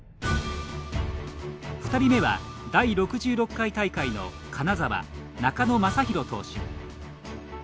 ２人目は第６６回大会の金沢・中野真博投手。